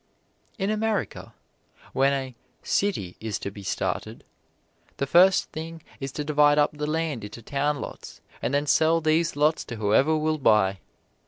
In America, when a "city" is to be started, the first thing is to divide up the land into town lots and then sell these lots to whoever will buy.